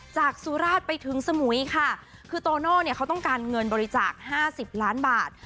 สุราชไปถึงสมุยค่ะคือโตโน่เนี่ยเขาต้องการเงินบริจาคห้าสิบล้านบาท